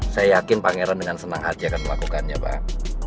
saya yakin pangeran dengan senang hati akan melakukannya pak